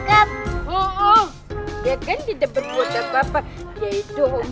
kayaknya kalo lagi pelajaran agama tuh dateng